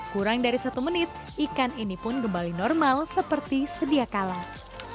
kurang dari satu menit ikan ini pun kembali normal seperti sedia kalah